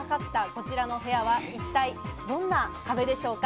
こちらの部屋は一体どんな壁でしょうか？